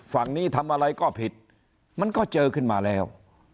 ฝั่งนี้ทำอะไรก็ผิดมันก็เจอขึ้นมาแล้ว